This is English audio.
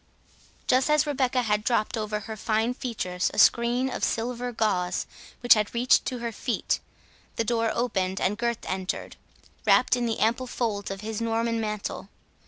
Just as Rebecca had dropped over her fine features a screen of silver gauze which reached to her feet, the door opened, and Gurth entered, wrapt in the ample folds of his Norman mantle.